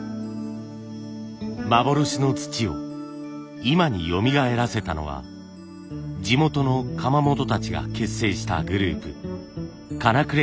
幻の土を今によみがえらせたのは地元の窯元たちが結成したグループかな